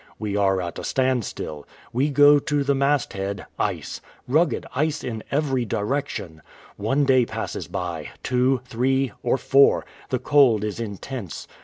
We are at a standstill. We go to the mast head — ice ; rugged ice in every direction ! One day passes by — two, three, or four. The cold is intense.